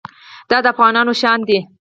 دا د افغانانو شان دی.